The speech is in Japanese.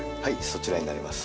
そちらになります。